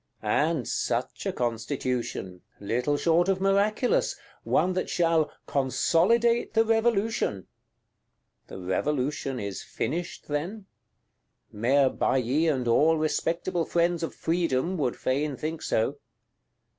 And such a Constitution; little short of miraculous: one that shall "consolidate the Revolution"! The Revolution is finished, then? Mayor Bailly and all respectable friends of Freedom would fain think so.